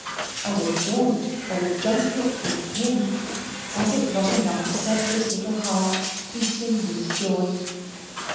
And a jaunt or a junket with HIM! Was it not enough to set this little heart beating with joy?